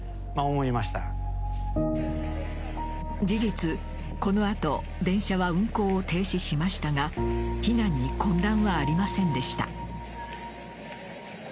事実、このあと電車は運行を停止しましたが避難に混乱はありませんでした。